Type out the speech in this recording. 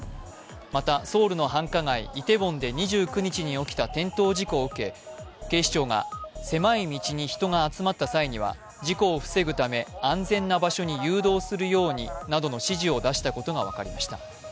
またソウルの繁華街イテウォンで２９日に起きた転倒事故を受け、警視庁が狭い道に人が集まった際には事故を防ぐため安全な場所に誘導するようになどの指示を出したことが分かりました。